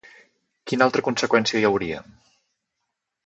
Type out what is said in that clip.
Quina altra conseqüència hi hauria?